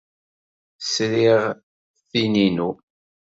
Sriɣ tin-inu.